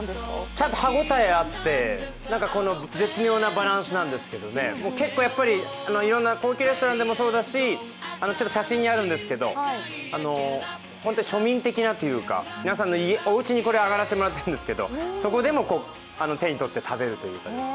ちゃんと歯応えあって、絶妙なバランスなんですけれども結構、いろんな高級レストランでもそうですし、写真にあるんですけど、庶民的なというか皆さんのおうちにあがらせてもらったんですけどそこでも手に取って食べるというか。